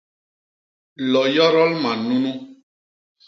Lo yodol man nunu!